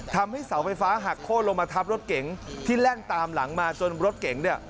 ทำให้เสาไฟฟ้าหักโค้นลงมาทับรถเก๋งที่แล่นตามหลังมาจนรถเก๋งเนี่ย